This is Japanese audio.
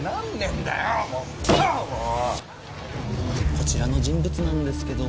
こちらの人物なんですけど。